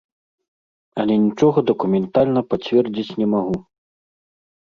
Але нічога дакументальна пацвердзіць не магу.